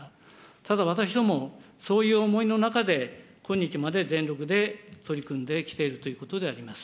ただ私ども、そういう思いの中で、今日まで全力で取り組んできているということであります。